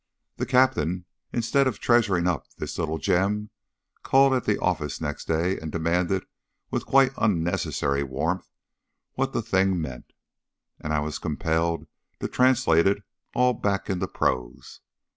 The captain, instead of treasuring up this little gem, called at the office next day, and demanded with quite unnecessary warmth what the thing meant, and I was compelled to translate it all back into prose.